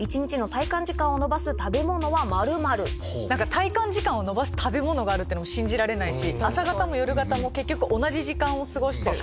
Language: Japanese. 体感時間を延ばす食べ物があるって信じられないし朝型も夜型も結局同じ時間を過ごしてる。